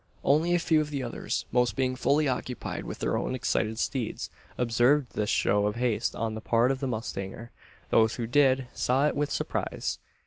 Only a few of the others most being fully occupied with their own excited steeds observed this show of haste on the part of the mustanger. Those who did, saw it with surprise.